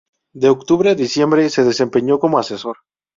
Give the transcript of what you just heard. De octubre a diciembre se desempeñó como asesor.